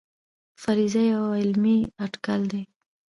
فرضیه یو علمي اټکل دی